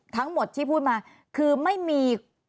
ทั้งหมดที่พูดมาคือไม่มี